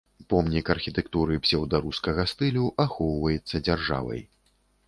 Помнік архітэктуры псеўдарускага стылю, ахоўваецца дзяржавай.